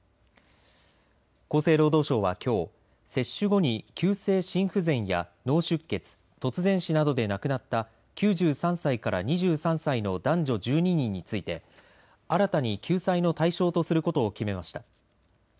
厚生労働省は、きょう接種後に急性心不全や脳出血突然死などで亡くなった９３歳から２３歳の男女１２人について新たに救済の対象とすることを決めました。